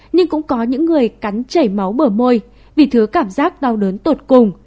nhưng cũng có những người cắn chảy máu bờ môi vì thứ cảm giác đau đớn tột cùng